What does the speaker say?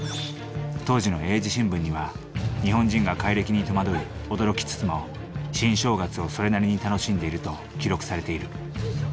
当時の英字新聞には日本人が改暦に戸惑い驚きつつも新正月をそれなりに楽しんでいると記録されている。